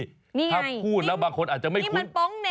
นี่ไงนี่มันโป๊งเน่งถ้าพูดแล้วบางคนอาจจะไม่คุ้น